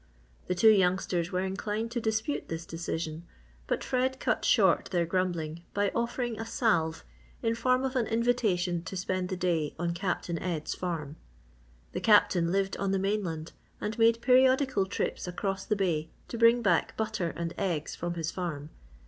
The two youngsters were inclined to dispute this decision but Fred cut short their grumbling by offering a salve in form of an invitation to spend the day on Captain Ed's farm. The Captain lived on the mainland and made periodical trips across the bay to bring back butter and eggs from his farm.